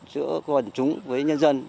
và giữa tổ chức đảng với nhân dân